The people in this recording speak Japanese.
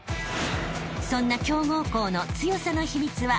［そんな強豪校の強さの秘密は大きく３つ］